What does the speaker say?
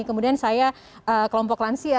kemudian saya kelompok lansia